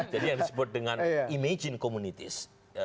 jadi yang disebut dengan imagine communities